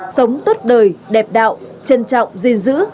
sống tốt đời đẹp đạo trân trọng riêng giữ